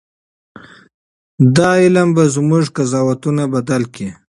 دا علم به زموږ قضاوتونه بدل کړي.